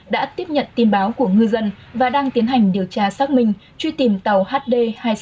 đã tiếp nhận tin báo của ngư dân và đang tiến hành điều tra xác minh truy tìm tàu hd hai nghìn sáu trăm một mươi sáu